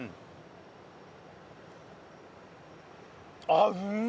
あっうま！